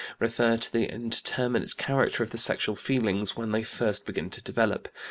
126) refer to the indeterminate character of the sexual feelings when they first begin to develop.